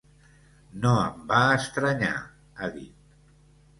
No em va estranyar, ha dit.